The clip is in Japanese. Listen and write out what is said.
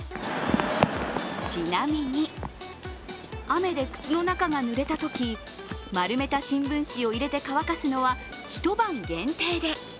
ちなみに、雨で靴の中がぬれたとき丸めた新聞紙を入れて乾かすのは一晩限定で。